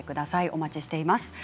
お待ちしています。